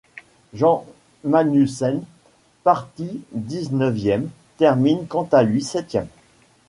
Jan Magnussen, parti dix-neuvième, termine quant à lui septième.